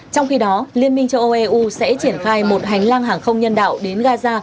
trong khi đó liên minh châu âu eu sẽ triển khai một hành lang hàng không nhân đạo đến gaza